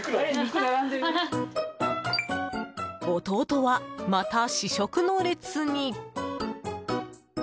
弟は、また試食の列に。